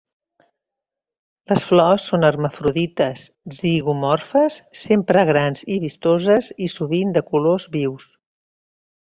Les flors són hermafrodites, zigomorfes, sempre grans i vistoses, i sovint de colors vius.